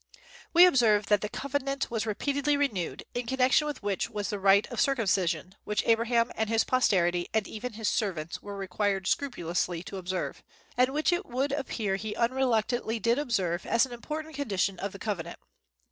We observe that the covenant was repeatedly renewed; in connection with which was the rite of circumcision, which Abraham and his posterity, and even his servants, were required scrupulously to observe, and which it would appear he unreluctantly did observe as an important condition of the covenant.